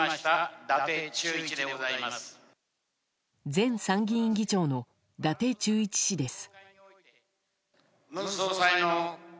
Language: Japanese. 前参議院議長の伊達忠一氏です。